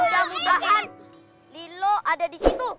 mudah mudahan lilo ada di situ